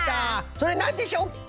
それなんでしょう？